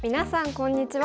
こんにちは。